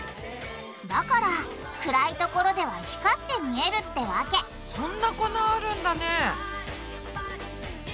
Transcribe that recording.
だから暗いところでは光って見えるってわけそんな粉あるんだね！